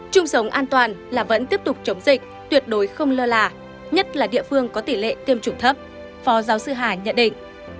chung sống an toàn là vẫn tiếp tục chống dịch tuyệt đối không lơ là nhất là địa phương có tỷ lệ tiêm chủng thấp phó giáo sư hà nhận định